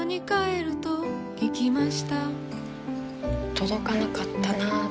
届かなかったな。